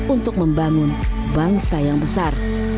untuk membangun bangsa yang besar